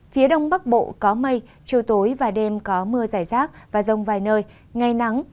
phía đông bắc bộ có mây chiều tối và đêm có mưa giải rác và rông vài nơi ngày nắng